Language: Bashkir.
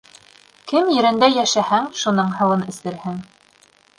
Кем ерендә йәшәһәң, шуның һыуын эсерһең.